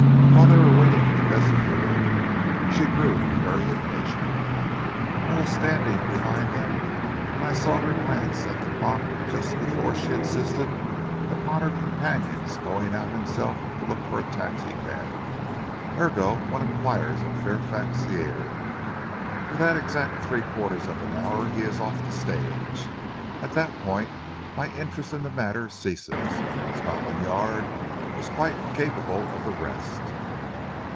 While they were waiting in the vestibule she grew very impatient. I was standing behind them and I saw her glance at the clock just before she insisted upon her companion's going out himself to look for a taxicab. Ergo, one enquires at Fairfax's theatre. For that exact three quarters of an hour he is off the stage. At that point my interest in the matter ceases. Scotland Yard was quite capable of the rest."